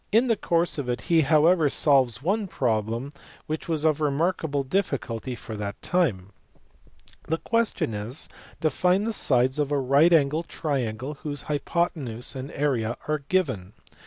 In the course of it he however solves one problem which was of remarkable diffi culty for that time. The question is to find the sides of a right angled triangle whose hypothenuse and area are given.